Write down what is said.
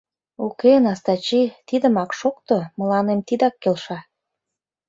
Уке, Настачи, тидымак шокто, мыланем тидак келша...